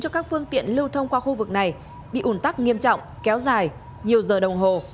cho các phương tiện lưu thông qua khu vực này bị ủn tắc nghiêm trọng kéo dài nhiều giờ đồng hồ